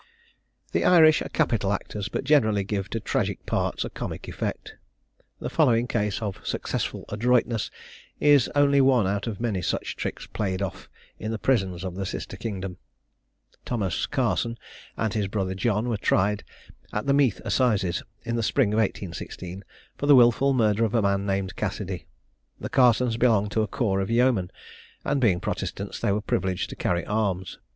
The Irish are capital actors, but generally give to tragic parts a comic effect. The following case of successful adroitness is only one out of many such tricks played off in the prisons of the sister kingdom. Thomas Carson and his brother John were tried at the Meath assizes, in the spring of 1816, for the wilful murder of a man named Cassidy. The Carsons belonged to a corps of yeomen; and being Protestants, they were privileged to carry arms.